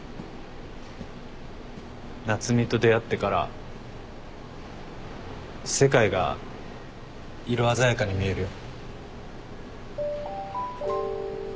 夏海と出会ってから世界が色鮮やかに見えるよ。